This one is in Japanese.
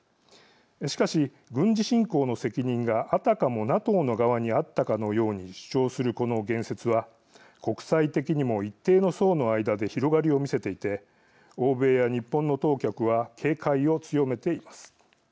しかし、軍事侵攻の責任があたかもＮＡＴＯの側にあったかのように主張するこの言説は国際的にも一定の層の間で広がりを見せていて欧米や日本の当局は警戒を強めています。